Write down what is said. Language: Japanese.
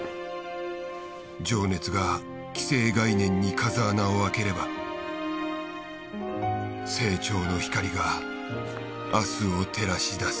情熱が既成概念に風穴を開ければ成長の光が明日を照らし出す。